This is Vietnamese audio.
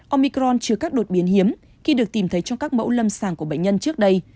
omicron chứa các đột biến hiếm khi được tìm thấy trong các mẫu lâm sàng của bệnh nhân trước đây